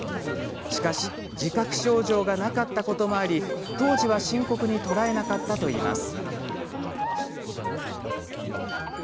しかし自覚症状がなかったこともあり当時は深刻に捉えなかったといいます。